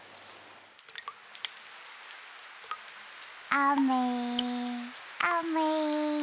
あめあめ。